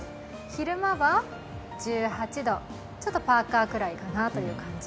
昼間は１８度、ちょっとパーカーくらいかなという感じ。